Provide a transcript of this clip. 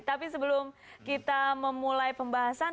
tapi sebelum kita memulai pembahasan